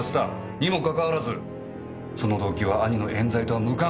にもかかわらずその動機は兄の冤罪とは無関係。